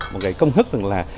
một cái công thức là